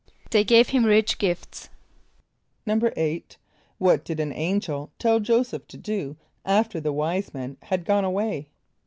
=They gave him rich gifts.= =8.= What did an angel tell J[=o]´[s+]eph to do after the wise men had gone away?